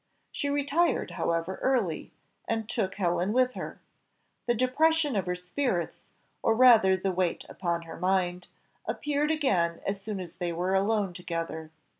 She retired however early, and took Helen with her. The depression of her spirits, or rather the weight upon her mind, appeared again as soon as they were alone together.